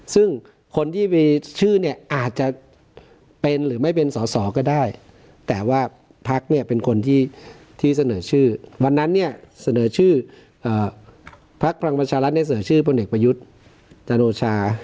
ซึ่งคนที่มีชื่อเนี่ยอาจจะเป็นหรือไม่เป็นสอสอก็ได้แต่ว่าพักเนี่ยเป็นคนที่เสนอชื่อวันนั้นเนี่ยเสนอชื่อพักพลังประชารัฐในเสนอชื่อพลเอกประยุทธ์จันโอชา